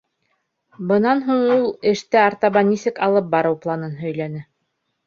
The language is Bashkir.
Бынан һуң ул эште артабан нисек алып барыу планын һөйләне.